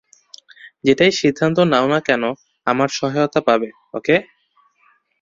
যেটাই সিদ্ধান্ত নাও না কেন, আমার সহায়তা পাবে, ওকে?